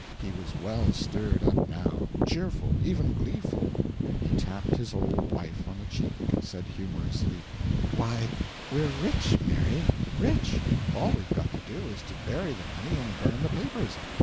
He was well stirred up now; cheerful, even gleeful. He tapped his old wife on the cheek, and said humorously, "Why, we're rich, Mary, rich; all we've got to do is to bury the money and burn the papers.